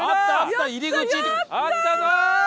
あったぞー！